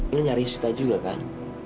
lu nyari sita juga kan